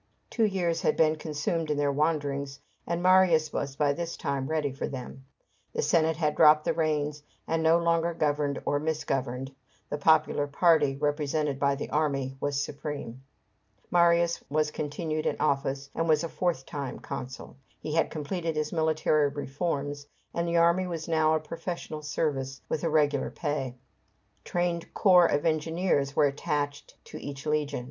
Two years had been consumed in these wanderings, and Marius was by this time ready for them. The Senate had dropped the reins, and no longer governed or misgoverned; the popular party, represented by the army, was supreme. Marius was continued in office, and was a fourth time consul. He had completed his military reforms, and the army was now a professional service, with regular pay. Trained corps of engineers were attached to each legion.